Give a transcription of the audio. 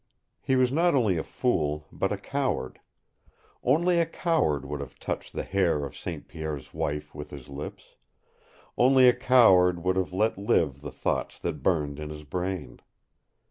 He was not only a fool, but a coward. Only a coward would have touched the hair of St. Pierre's wife with his lips; only a coward would have let live the thoughts that burned in his brain.